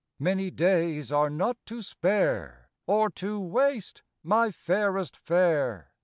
Many days are not to spare, Or to waste, my fairest fair!